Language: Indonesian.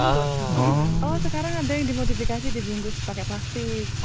oh sekarang ada yang dimodifikasi dibungkus pakai plastik